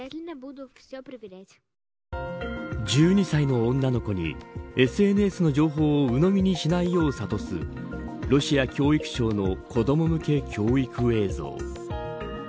１２歳の女の子にＳＮＳの情報をうのみにしないよう諭すロシア教育省の子ども向け教育映像。